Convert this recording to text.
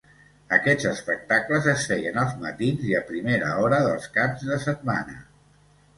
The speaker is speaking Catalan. Aquests espectacles es feien als matins i a primera hora dels caps de setmana.